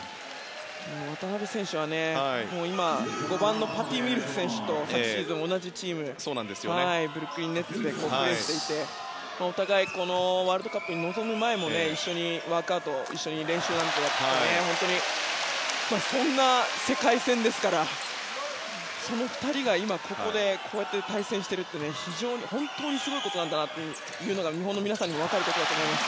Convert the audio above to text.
渡邊選手は５番のパティ・ミルズ選手と昨シーズン、同じチームでプレーしていてお互いワールドカップに臨む前も一緒にワークアウト一緒に練習をしていたので本当にそんな世界線ですからその２人が今、ここで対戦しているというのは本当にすごいことだなというのが日本の皆さんが分かることだと思います。